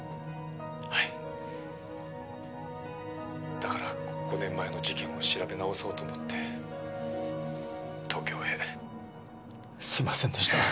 「だから５年前の事件を調べ直そうと思って東京へ」すみませんでした。